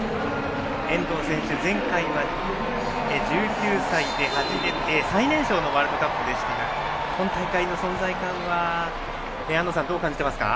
遠藤選手、前回は１９歳で最年少で初めてのワールドカップでしたが安藤さん、今大会の存在感はどう感じていますか。